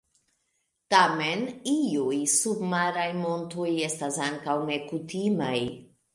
Tamen, iuj submaraj montoj estas ankaŭ nekutimaj.